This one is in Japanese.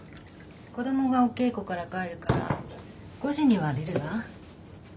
子供がお稽古から帰るから５時には出るわ。